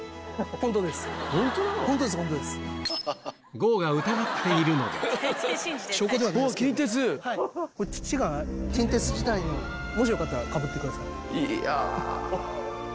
郷が疑っているので父が近鉄時代のよかったらかぶってください。